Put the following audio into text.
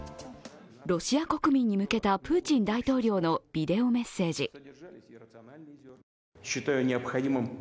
ロシア国民に向けたプーチン大統領のビデオメッセージ。